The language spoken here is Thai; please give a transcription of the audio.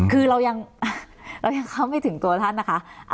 คือเรายังเข้าไม่ถึงตัวท่านนะคะ